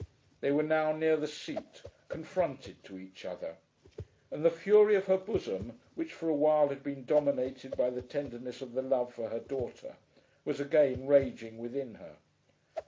They were now near the seat, confronted to each other; and the fury of her bosom, which for a while had been dominated by the tenderness of the love for her daughter, was again raging within her.